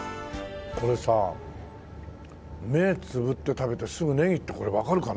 これさ目つぶって食べてすぐネギってこれわかるかな？